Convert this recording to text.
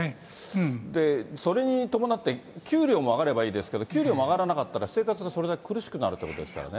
それに伴って、給料も上がればいいですけど、給料も上がらなかったら生活がそれだけ苦しくなるってことですからね。